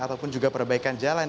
ataupun juga perbaikan jalan